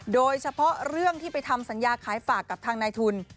โดยเฉพาะเรื่องที่ไปทำสัญญาขายฝากกับทางนายทุน